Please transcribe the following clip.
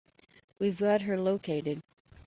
We've got her located.